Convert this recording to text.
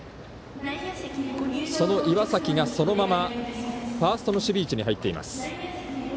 その岩崎がそのままファーストの守備位置に入っています。